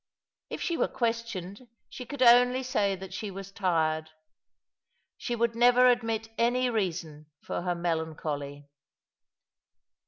If she were questioned she could only say that she was tired. She would never admit any reason for her melancholy.